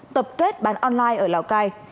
tập kết bán online ở lào cai